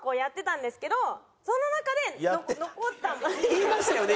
言いましたよね？